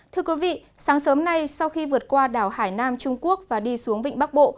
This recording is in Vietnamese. thưa quý vị sáng sớm nay sau khi vượt qua đảo hải nam trung quốc và đi xuống vịnh bắc bộ